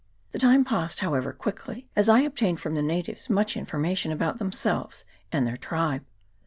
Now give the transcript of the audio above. The time passed, how ever, quickly, as I obtained from the natives much information about themselves and their tribe.